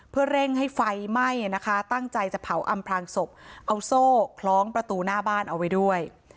เพื่อเร่งให้ไฟไหม้นะคะตั้งใจจะเผาอำพลางศพเอาโซ่คล้องประตูหน้าบ้านเอาไว้ด้วย